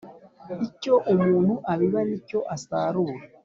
icyo umuntu abiba nicyo asarura